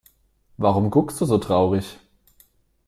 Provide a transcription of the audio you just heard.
Warum guckst du so traurig?